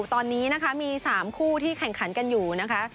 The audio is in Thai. ตอนนี้นะคะมี๓คู่ที่แข่งขันกันอยู่นะคะ